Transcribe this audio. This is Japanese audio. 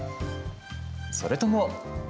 それとも。